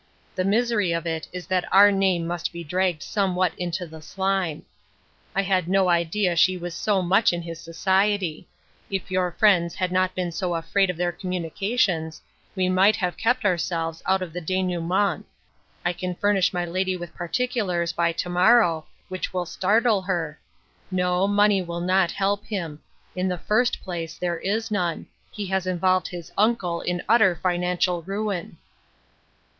The misery of it is that our name must be dragged somewhat into the slime. I had no idea she was so much in his society ; if your friends had not been so afraid of their communications, we might have kept our selves out of the denouement. I can furnish my lady with particulars, by to morrow, which will startle her. No, money will not help him ; in the first place, there is none ; he has involved his uncle in utter financial ruin."